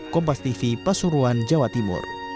kompastv pasuruan jawa timur